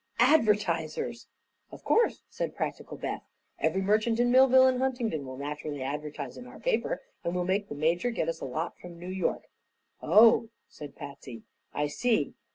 "Advertisers!" "Of course," said practical Beth. "Every merchant in Millville and Huntingdon will naturally advertise in our paper, and we'll make the major get us a lot from New York." "Oh," said Patsy; "I see.